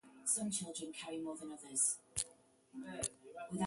Elia dates back to the Byzantine period.